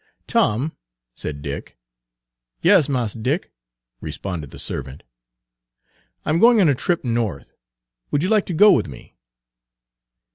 "Tom," said Dick. "Yas, Mars Dick," responded the servant. "I 'm going on a trip North. Would you like to go with me?"